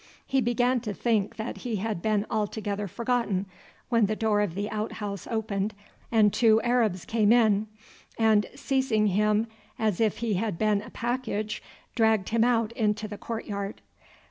He began to think that he had been altogether forgotten, when the door of the outhouse opened and two Arabs came in, and seizing him as if he had been a package dragged him out into the court yard.